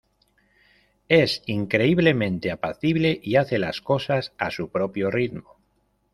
Es increíblemente apacible y hace las cosas a su propio ritmo.